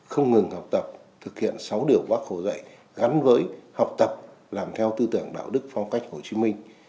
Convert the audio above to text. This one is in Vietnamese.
không ngừng học tập thực hiện sáu điều bác hồ dạy gắn với học tập làm theo tư tưởng đạo đức phong cách hồ chí minh